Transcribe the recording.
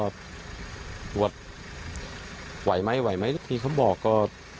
กวดไหวไหมพี่เขาบอกก็